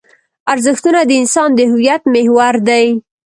ارزښتونه د انسان د هویت محور دي.